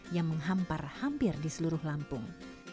yang menghampar hampir di seluruh lampung